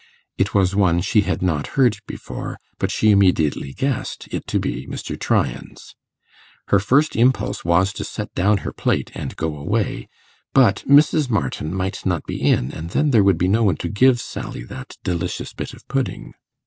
It was one she had not heard before, but she immediately guessed it to be Mr. Tryan's. Her first impulse was to set down her plate and go away, but Mrs. Martin might not be in, and then there would be no one to give Sally that delicious bit of pudding.